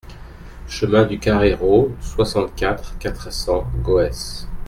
Chemin du Carrérot, soixante-quatre, quatre cents Goès